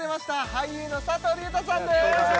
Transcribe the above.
俳優の佐藤隆太さんです